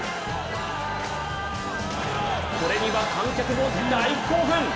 これには観客も大興奮。